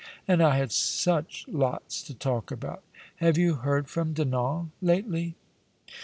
And I had such lots to talk about. Have you heard from Dinau lately?"